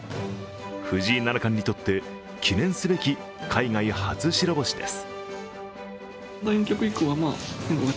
藤井七冠にとって記念すべき海外初白星です。